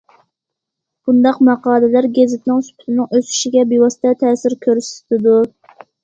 بۇنداق ماقالىلەر گېزىتنىڭ سۈپىتىنىڭ ئۆسۈشىگە بىۋاسىتە تەسىر كۆرسىتىدۇ.